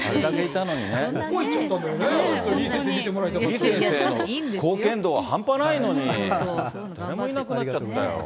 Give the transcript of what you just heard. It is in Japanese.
李先生の貢献度は半端ないのに、誰もいなくなっちゃったよ。